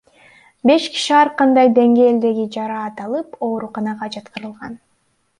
Беш киши ар кандай деңгээлдеги жараат алып, ооруканага жаткырылган.